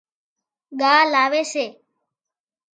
ڳاهَ لاوي سي